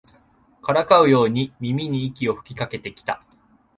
からかうように耳に息を吹きかけてきた